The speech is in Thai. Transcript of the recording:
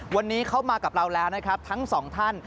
วันนี้เข้ามากับเราแล้วนะครับทั้งสองท่าน